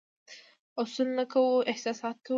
اصول نه کوو، احساسات کوو.